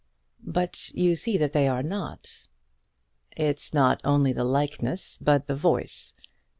"But you see that they are not." "It's not only the likeness, but the voice.